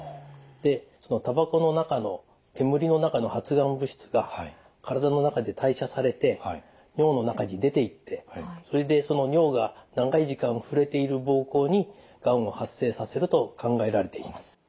そのたばこの中の煙の中の発がん物質が体の中で代謝されて尿の中に出ていってそれでその尿が長い時間触れている膀胱にがんを発生させると考えられています。